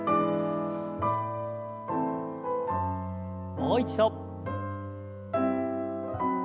もう一度。